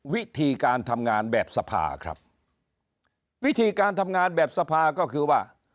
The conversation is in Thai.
วิธีการทำงานแบบสภาครับวิธีการทำงานแบบสภาก็คือว่า